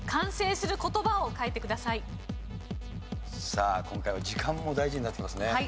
さあ今回は時間も大事になってきますね。